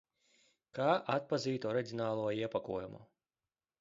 Kā atpazīt oriģinālo iepakojumu?